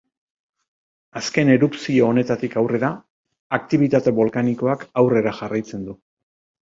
Azken erupzio honetatik aurrera, aktibitate bolkanikoak aurrera jarraitzen du.